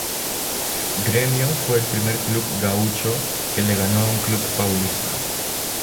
Grêmio fue el primer club gaúcho que le ganó a un club paulista.